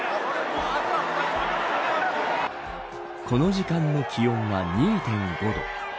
この時間の気温は２．５度。